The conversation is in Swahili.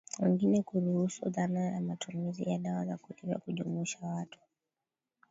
wengine kuruhusu dhana ya matumizi ya dawa za kulevya kujumuisha watu